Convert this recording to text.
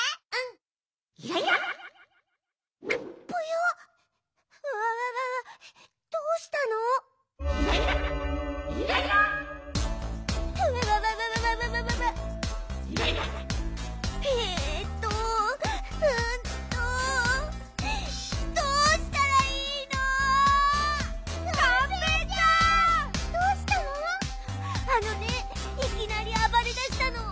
あのねいきなりあばれだしたの。